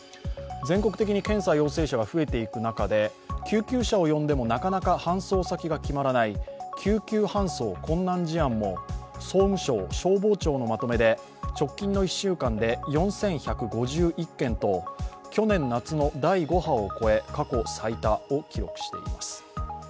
全国的に検査陽性者が増えていく中で救急車を呼んでもなかなか搬送先が決まらない救急搬送困難事案も総務省消防庁のまとめで直近の１週間で４１５１件と去年夏の第５波を超え過去最多を記録しています。